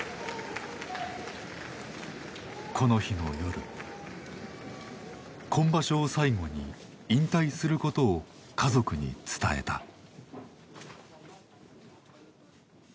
この日の夜今場所を最後に引退することを家族に伝えた。